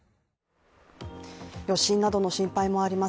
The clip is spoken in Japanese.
余震などの心配もあります。